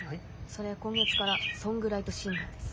それ今月から「ソングライトシンガー」です。